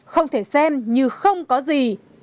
không thể xem như không có gì